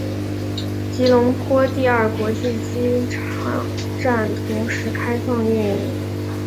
吉隆坡第二国际机场站同时开放运营。